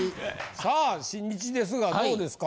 ・さあ親日ですがどうですか？